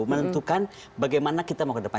menentukan bagaimana kita mau ke depan